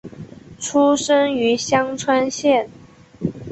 出身于香川县。